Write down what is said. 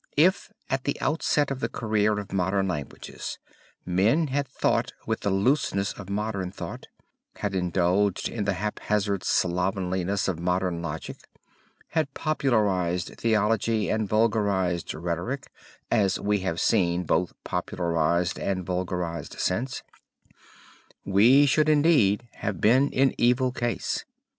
If at the outset of the career of modern languages, men had thought with the looseness of modern thought, had indulged in the haphazard slovenliness of modern logic, had popularized theology and vulgarized rhetoric, as we have seen both popularized and vulgarized since, we should indeed have been in evil case.